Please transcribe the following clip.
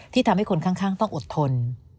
ทำให้คนข้างต้องอดทน